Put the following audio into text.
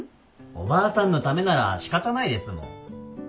おばあさんのためなら仕方ないですもん。